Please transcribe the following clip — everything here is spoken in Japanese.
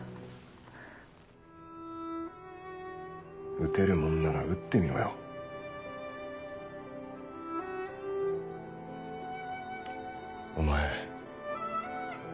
撃てるもんなら撃ってみろよ。お前。